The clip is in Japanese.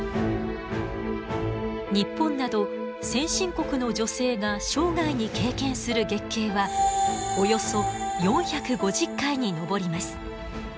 日本など先進国の女性が生涯に経験する月経はおよそ４５０回に上ります。